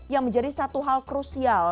yang menjadi satu hal krusial